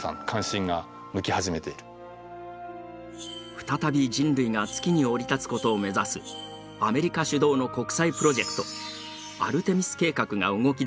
再び人類が月に降り立つことを目指すアメリカ主導の国際プロジェクトアルテミス計画が動きだしている。